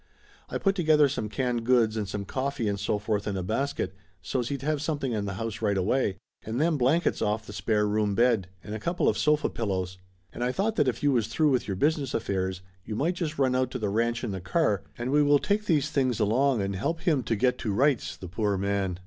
I put together some canned goods and some coffee and so forth in a basket, so's he'd have something in the house right away. And them blan kets off the spare room bed, and a couple of sofa pil lows. And I thought that if you was through with your business affairs you might just run out to the ranch in the car, and we will take these things along and help him to get to rights, the poor man